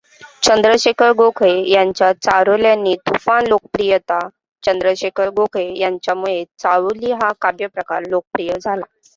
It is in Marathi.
चंद्रशेखर गोखले यांच्या चारोळ्यांनी तुफान लोकप्रियता चंद्रशेखर गोखले यांच्यामुळे चारोळी हा काव्यप्रकार लोकप्रिय झाला.